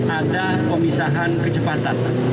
ada pemisahan kecepatan